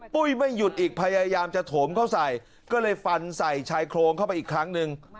ปุ้ยไม่หยุดอีกพยายามจะโถมเข้าใส่ก็เลยฟันใส่ชายโครงเข้าไปอีกครั้งหนึ่ง